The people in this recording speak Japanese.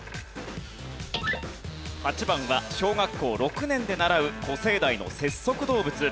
８番は小学校６年で習う古生代の節足動物。